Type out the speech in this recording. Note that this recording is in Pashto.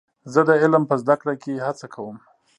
زه د علم په زده کړه کې هڅه کوم.